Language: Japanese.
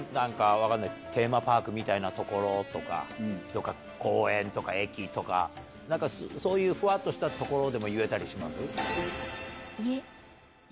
テーマパークみたいな所とか公園とか駅とかそういうふわっとした所でも言えたりします？